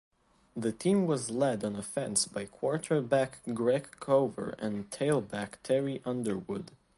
The team was led on offense by quarterback Greg Kovar and tailback Terry Underwood.